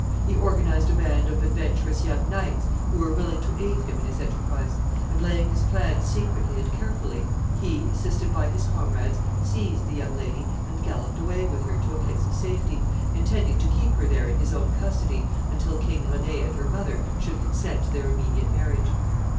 He organized a band of adventurous young knights who were willing to aid him in his enterprise, and, laying his plans secretly and carefully, he, assisted by his comrades, seized the young lady and galloped away with her to a place of safety, intending to keep her there in his own custody until King René and her mother should consent to her immediate marriage.